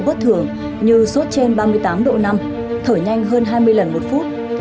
bất thường như sốt trên ba mươi tám độ năm thở nhanh hơn hai mươi lần một phút